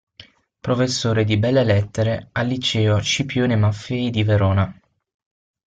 Professore di belle lettere al liceo Scipione Maffei di Verona.